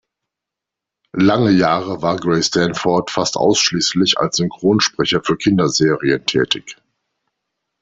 Lange Jahre war Gray-Stanford fast ausschließlich als Synchronsprecher für Kinderserien tätig.